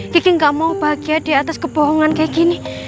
kiki gak mau bahagia diatas kebohongan kaya gini